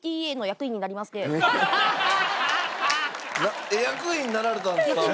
役員になられたんですか？